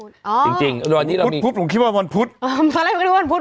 จริงจริงอันนี้เรามีพุทธผมคิดว่าวันพุทธอ๋อมันก็ได้วันพุทธ